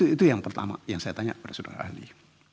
itu yang pertama yang saya tanya kepada saudara ahli